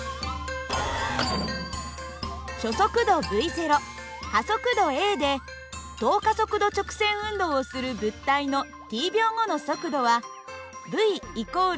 初速度υ加速度ａで等加速度直線運動をする物体のｔ秒後の速度はυ＝υ＋